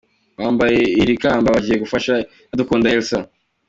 wambaye iri kamba, bagiye gufasha Iradukunda Elsa